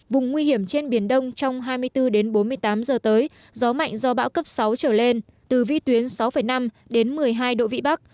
vùng nguy hiểm trên biển đông trong hai mươi bốn bốn mươi tám giờ tới gió mạnh do bão cấp sáu trở lên từ vĩ tuyến sáu năm đến một mươi hai độ vị bắc